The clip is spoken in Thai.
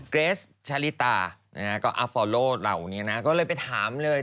เกรสชาลิตาเนี่ยก็อัพฟอร์โลเราเนี่ยนะก็เลยไปถามเลย